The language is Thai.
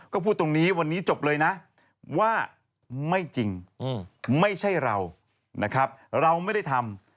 ก็พูดตรงนี้วันนี้จบเลยนะว่าไม่จริงไม่ใช่เรานะครับเราไม่ได้ทำ